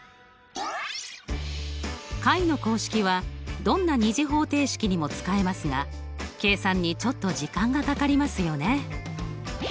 解の公式はどんな２次方程式にも使えますが計算にちょっと時間がかかりますよね。